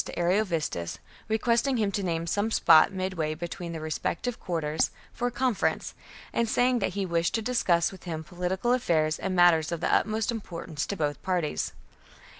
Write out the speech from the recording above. c. to Ariovistus, requesting him to name some spot, ^•^'J.^'^^Jj"^ midway between their respective quarters, for a proposal for •^ L J. ' a conference. conference, and saying that he wished to discuss with him political affairs and matters of the utmost importance to both parties.